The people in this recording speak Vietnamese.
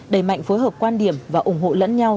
đẩy mạnh phối hợp quan điểm và ủng hộ lẫn nhau